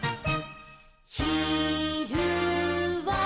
「ひるは」